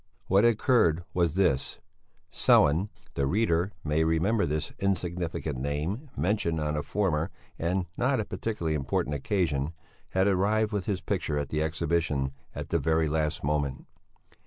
What had occurred was this: Sellén the reader may remember this insignificant name mentioned on a former, and not a particularly important occasion had arrived with his picture at the exhibition at the very last moment.